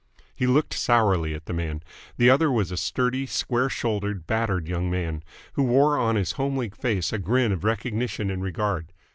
He looked sourly at the man. The other was a sturdy, square shouldered, battered young man, who wore on his homely face a grin of recognition and regard.